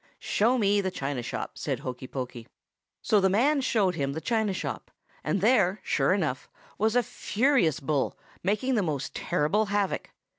"'Show me the china shop,' said Hokey Pokey. "So the man showed him the china shop; and there, sure enough, was a furious bull, making most terrible havoc.